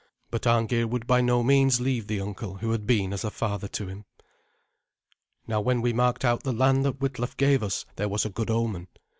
But Arngeir would by no means leave the uncle who had been as a father to him. Now when we marked out the land that Witlaf gave us, there was a good omen.